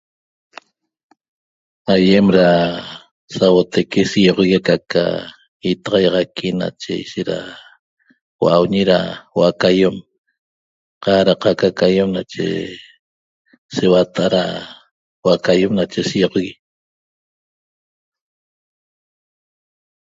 Aiem da sabotaque da sioxoie que eca itaiaxaqui nache shera uañe da huoo' ca aiom ca da caica ca aiom nache se huatara da huoo ca aiom nache sioxoie